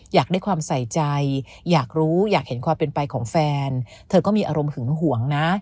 อยากได้ความใส่ใจอยากรู้อยากเห็นความเป็นไปของแฟนเธอก็มีอารมณ์หึงหวงนะ